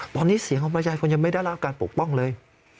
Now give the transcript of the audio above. ตอนนี้เสียงของประชาชนยังไม่ได้รับการปกป้องเลย